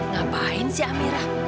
ngapain sih amira